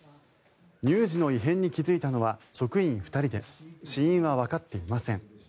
乳児の異変に気付いたのは職員２人で死因はわかっていません。